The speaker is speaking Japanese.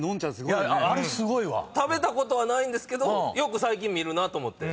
食べたことはないんですけどよく最近見るなと思って。